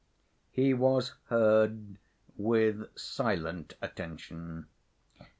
He was heard with silent attention.